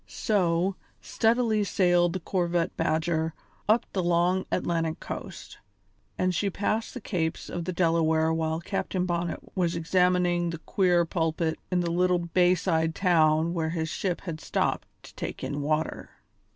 So, steadily sailed the corvette Badger up the long Atlantic coast, and she passed the capes of the Delaware while Captain Bonnet was examining the queer pulpit in the little bay side town where his ship had stopped to take in water.